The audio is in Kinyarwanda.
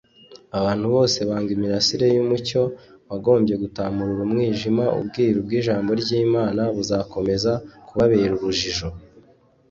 abantu bose banga imirasire y’umucyo wagombye gutamurura umwijima, ubwiru bw’ijambo ry’imana buzakomeza kubabera urujijo